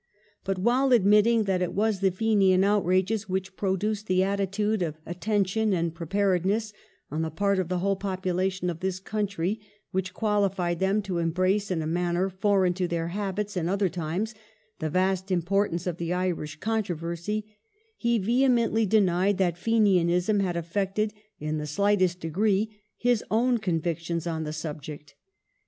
^ But while admittinsr that it was the Fenian outrages which " produced that attitude of at tention and preparedness on the part of the whole population of this country which qualified them to embrace in a manner foreign to their habits in other times the vast importance of the Irish controversy," he vehemently denied that Fenianism had affected " in the slightest degree " his own convictions on the subject.